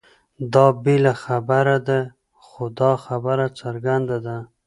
دا بېله خبره ده؛ خو دا خبره څرګنده ده،